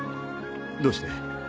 どうして？